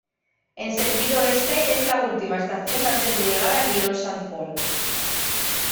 En sentido este es la última estación antes de llegar a Lyon-Saint-Paul.